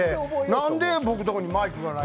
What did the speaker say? なんで僕のとこにマイクないの？